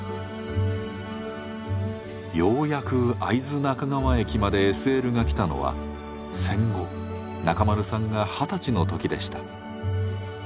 ようやく会津中川駅までＳＬが来たのは戦後中丸さんが二十歳の時でした。